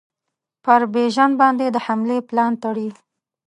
پر بیژن باندي د حملې پلان تړي.